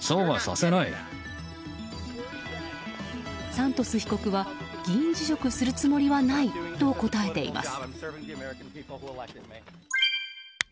サントス被告は議員辞職するつもりはないと答えています。